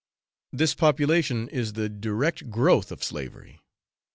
This population is the direct growth of slavery.